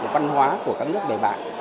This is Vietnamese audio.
văn hóa của các nước bề bãi